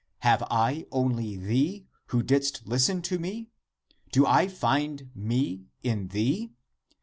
Have I only thee, who didst listen to me? Do I find me in thee